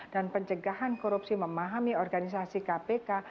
dan pencegahan korupsi memahami organisasi kpk